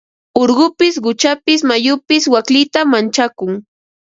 Urqupis quchapis mayupis waklita manchakun.